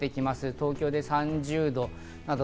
東京で３０度など。